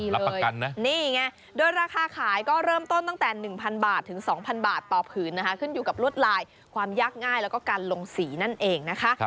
นี่ไงโดยราคาขายก็เริ่มต้นตั้งแต่๑๐๐บาทถึง๒๐๐บาทต่อผืนนะคะขึ้นอยู่กับลวดลายความยากง่ายแล้วก็การลงสีนั่นเองนะคะ